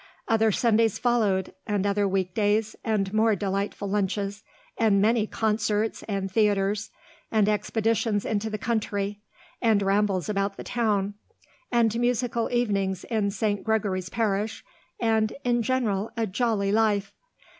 Other Sundays followed, and other week days, and more delightful lunches, and many concerts and theatres, and expeditions into the country, and rambles about the town, and musical evenings in St. Gregory's parish, and, in general, a jolly life.